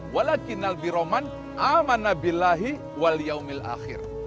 walakinal birroman amanu billahi wal yaumil akhir